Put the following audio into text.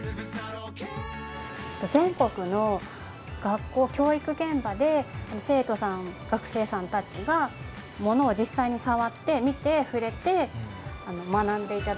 全国の学校教育現場で生徒さん学生さんたちがものを実際に触って見て触れて学んで頂けるように。